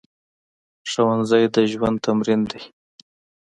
ښوونځی د ژوند تمرین دی